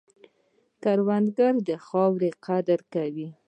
کروندګر د خاورې قدر کوي